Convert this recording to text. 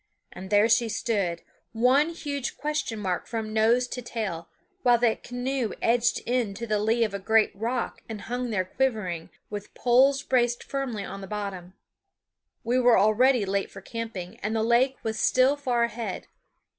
And there she stood, one huge question mark from nose to tail, while the canoe edged in to the lee of a great rock and hung there quivering, with poles braced firmly on the bottom. We were already late for camping, and the lake was still far ahead.